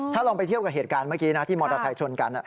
ถ้าลองไปเที่ยวกับเหตุการณ์เมื่อกี้นะที่มอเตอร์ไซค์ชนกัน